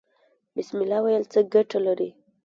بسم الله ویل څه ګټه لري؟